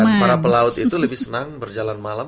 dan para pelaut itu lebih senang berjalan malam